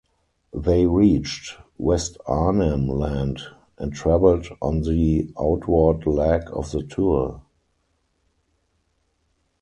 They reached West Arnhem Land and travelled on the outward leg of the tour.